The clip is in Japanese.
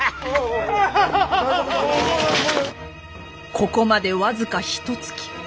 ここまで僅かひとつき。